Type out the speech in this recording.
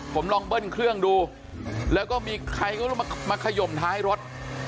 ผมลองเบิ้ลเครื่องดูแล้วก็มีใครก็มาขยมท้ายรถ